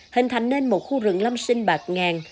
hình thành nên một khu rừng lâm sinh bạc ngàn